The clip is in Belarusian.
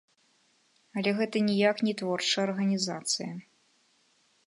Але гэта ніяк не творчая арганізацыя.